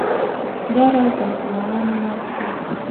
دا راز د مسلمانانو ماتې ده.